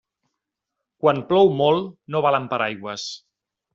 Quan plou molt, no valen paraigües.